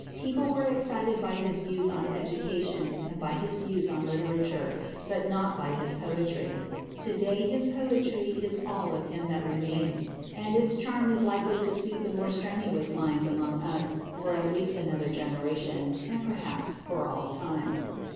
People were excited by his views on education and by his views on literature, but not by his poetry. To day his poetry is all of him that remains, and its charm is likely to soothe the more strenuous minds among us for at least another generation, and perhaps for all time.